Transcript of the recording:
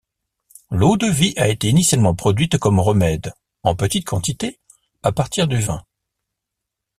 L'eau-de-vie a été initialement produite comme remède, en petites quantités, à partir du vin.